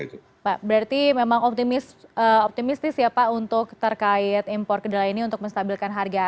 pak berarti memang optimistis ya pak untuk terkait impor kedelai ini untuk menstabilkan harga